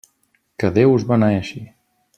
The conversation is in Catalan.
Que Déu us beneeixi!